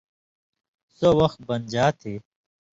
(سو وخت بنژا تھی)،